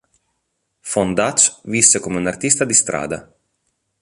Von Dutch visse come un artista di strada.